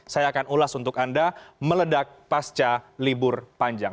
saya akan ulas untuk anda meledak pasca libur panjang